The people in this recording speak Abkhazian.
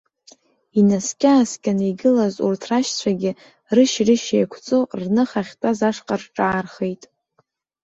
Инаскьа-ааскьаны игылаз урҭ рашьцәагьы рышьи-рышьи еиқәҵо, рныха ахьтәаз ашҟа рҿаархеит.